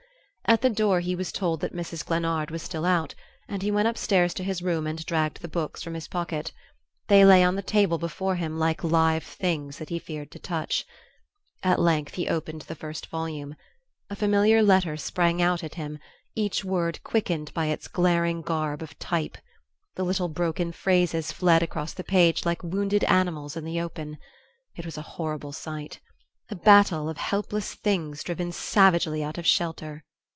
At the door he was told that Mrs. Glennard was still out, and he went upstairs to his room and dragged the books from his pocket. They lay on the table before him like live things that he feared to touch.... At length he opened the first volume. A familiar letter sprang out at him, each word quickened by its glaring garb of type. The little broken phrases fled across the page like wounded animals in the open.... It was a horrible sight.... A battue of helpless things driven savagely out of shelter.